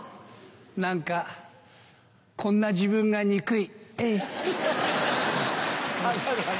何かこんな自分が憎いエイ。